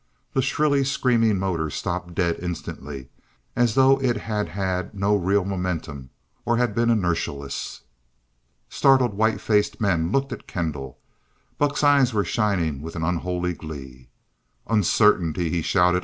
The shrilly screaming motor stopped dead instantly, as though it had had no real momentum, or had been inertialess. Startled, white faced men looked at Kendall. Buck's eyes were shining with an unholy glee. "Uncertainty!" he shouted.